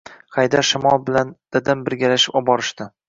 Haydar shamol bilan dadam birgalashib oborishdi.